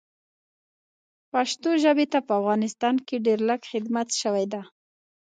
پښتو ژبې ته په افغانستان کې ډېر لږ خدمت شوی ده